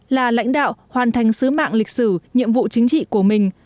là lãnh đạo hoàn thành sứ mạng lịch sử nhiệm vụ chính trị của mình